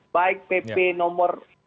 baik pp nomor empat puluh lima